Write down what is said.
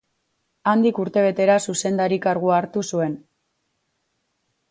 Handik urtebetera zuzendari kargua hartu zuen.